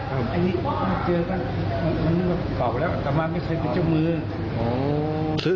อันนี้มาเจอกันต่อไปแล้วอัตมาไม่เคยเป็นเจ้ามือ